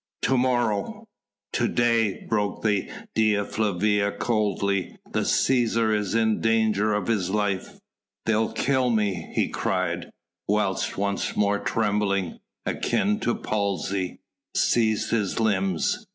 to morrow ..." "To day," broke in Dea Flavia coldly, "the Cæsar is in danger of his life." "They'll kill me," he cried, whilst once more trembling akin to palsy seized his limbs.